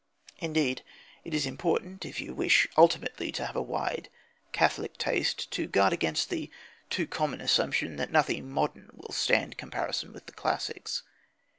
Indeed, it is important, if you wish ultimately to have a wide, catholic taste, to guard against the too common assumption that nothing modern will stand comparison with the classics.